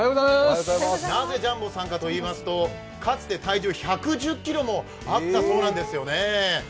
なぜジャンボさんかといいますとかつて体重１１０ｋｇもあったそうなんですよね。